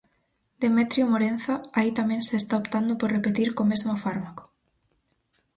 Demetrio Morenza, aí tamén se está optando por repetir co mesmo fármaco.